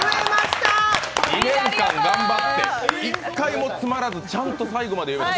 ２年間頑張って一回も詰まらず、ちゃんと最後まで言えた。